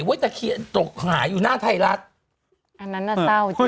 ตะเคียนตกหาอยู่หน้าไทยรัฐอันนั้นน่ะเศร้าจริง